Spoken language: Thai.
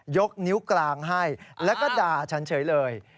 ยกนิ้วกลางให้แล้วก็ด่าฉันเฉยเลย